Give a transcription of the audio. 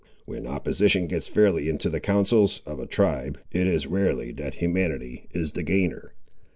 When opposition gets fairly into the councils of a tribe, it is rarely that humanity is the gainer.